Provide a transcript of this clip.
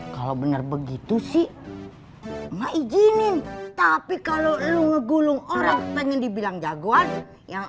kalau benar begitu sih maijinin tapi kalau lu ngegulung orang pengen dibilang jagoan yang